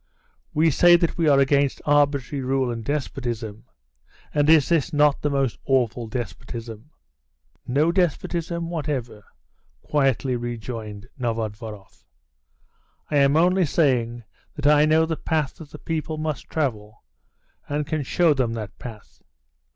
"We say that we are against arbitrary rule and despotism, and is this not the most awful despotism?" "No despotism whatever," quietly rejoined Novodvoroff. "I am only saying that I know the path that the people must travel, and can show them that path."